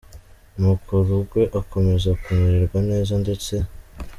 Nuko Rugwe akomeza kumererwa neza, ndetse